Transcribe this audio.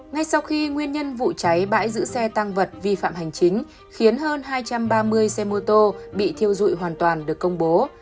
ngay sau khi nguyên nhân vụ cháy bãi giữ xe tăng vật vi phạm hành chính khiến hơn hai trăm ba mươi xe mô tô bị thiêu dụi hoàn toàn được công bố